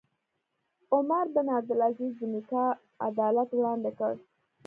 عمر بن عبدالعزیز د نیکه عدالت وړاندې کړ.